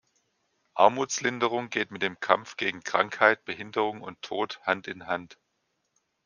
Armutslinderung geht mit dem Kampf gegen Krankheit, Behinderung und Tod Hand in Hand.